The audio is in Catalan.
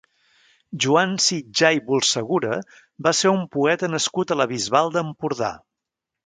Joan Sitjar i Bulcegura va ser un poeta nascut a la Bisbal d'Empordà.